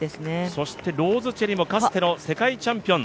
そしてローズ・チェリモもかつての世界チャンピオン。